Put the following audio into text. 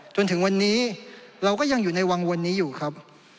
จนถึงวันนี้เราก็ยังอยู่ในวังวนนี้อยู่ครับ